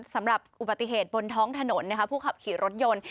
สำหรับอุบัติเหตุบนท้องถนนผู้ขับขี่รถยนต์